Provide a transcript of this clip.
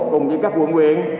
cùng với các quận quyện